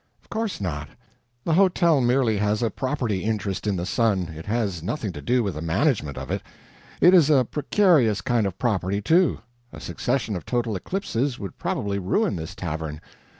"Of course not. The hotel merely has a property interest in the sun, it has nothing to do with the management of it. It is a precarious kind of property, too; a succession of total eclipses would probably ruin this tavern.